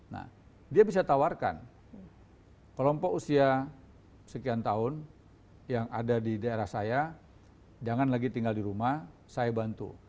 nah dia bisa tawarkan kelompok usia sekian tahun yang ada di daerah saya jangan lagi tinggal di rumah saya bantu